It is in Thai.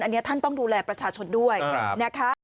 อันนี้ท่านต้องดูแลประชาชนด้วยนะคะ